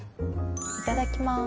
いただきます。